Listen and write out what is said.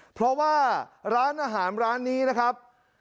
เพราะว่าร้านอาหารร้านนี้นะครับ